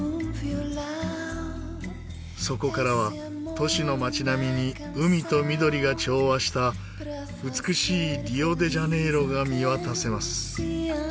そこからは都市の街並みに海と緑が調和した美しいリオ・デ・ジャネイロが見渡せます。